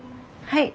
はい。